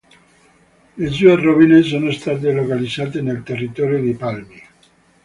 Le sue rovine sono state localizzate nel territorio di Palmi.